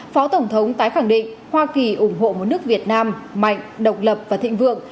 phó tổng thống tái khẳng định hoa kỳ ủng hộ một nước việt nam mạnh độc lập và thịnh vượng